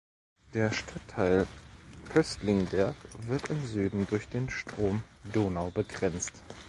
Der Stadtteil Pöstlingberg wird im Süden durch den Strom Donau begrenzt.